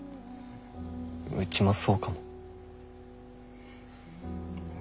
うちもそうかも。